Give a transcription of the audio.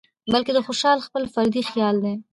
بلکې د خوشال خپل فردي خيال دى